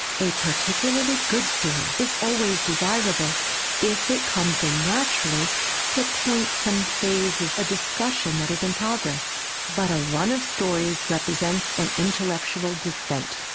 A particularly good story is always desirable if it comes in naturally to point some phase of a discussion that is in progress, but a run of stories represents an intellectual descent.